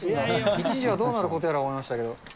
一時はどうなることやらと思いましたけど。